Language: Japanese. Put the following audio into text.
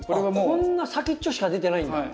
こんな先っちょしか出てないんだ。